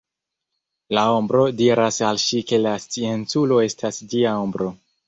La ombro diras al ŝi ke la scienculo estas ĝia ombro.